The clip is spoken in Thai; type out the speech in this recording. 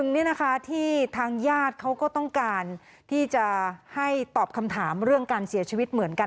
นี่นะคะที่ทางญาติเขาก็ต้องการที่จะให้ตอบคำถามเรื่องการเสียชีวิตเหมือนกัน